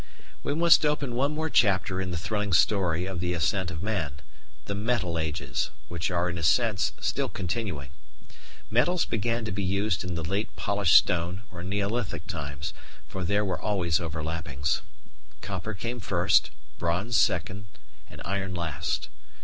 ] We must open one more chapter in the thrilling story of the Ascent of Man the Metal Ages, which are in a sense still continuing. Metals began to be used in the late Polished Stone (Neolithic) times, for there were always overlappings. Copper came first, Bronze second, and Iron last.